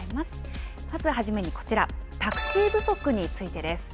まず初めにこちら、タクシー不足についてです。